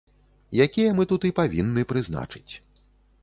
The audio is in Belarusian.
Якія мы тут і павінны прызначыць.